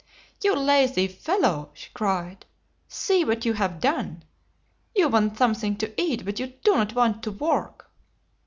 "You lazy fellow!" she cried. "See what you have done! You want some thing to eat, but you do not want to work!"